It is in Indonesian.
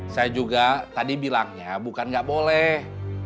saya juga tadi bilangnya bukan gak boleh